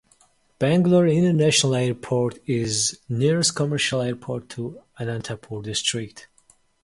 Bangalore International Airport is nearest commercial airport to Anantapur District.